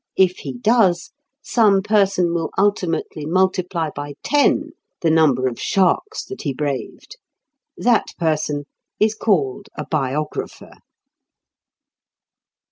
If he does, some person will ultimately multiply by ten the number of sharks that he braved: that person is called a biographer.